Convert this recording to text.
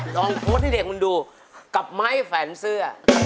ลองโพสต์ให้เด็กมันดูกับไม้แฝนเสื้อ